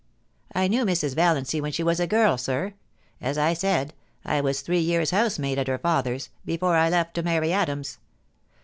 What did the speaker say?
' I knew Mrs. Valiancy when she was a girl, sir. As 1 said, I was three years housemaid at her father's, before I left to marry Adams.